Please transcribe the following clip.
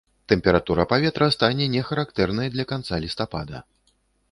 Тэмпература паветра стане не характэрнай для канца лістапада.